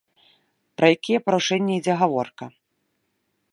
Пра якія парушэнні ідзе гаворка?